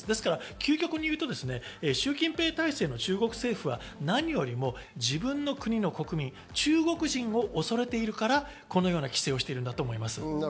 究極に言うと、シュウ・キンペイ体制の中国政府は何よりも自分の国の国民、中国人を恐れているから、このような規制をしているんだと思います。